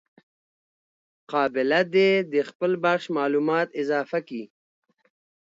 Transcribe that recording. قابله دي د خپل بخش معلومات اضافه کي.